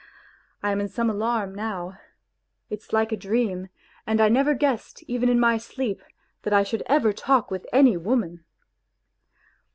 I am in some alarm now. It's like a dream, and I never guessed even in my sleep that I should ever talk with any woman."